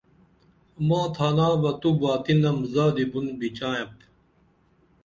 ماں تھانا بہ تو باتی نم زادی بُن بِچائپ